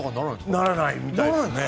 ならないみたいですね。